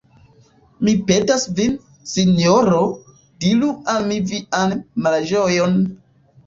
Mi petas vin, sinjoro, diru al mi vian malĝojon!